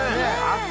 あっ